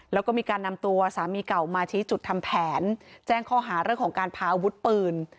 แล้วก็มีการนำตัวสามีเก่ามาชี้จุดทำแผนแจ้งข้อหาเรื่องของการพาอาวุธปืน